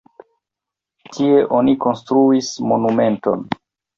Tie oni konstruis monumenton.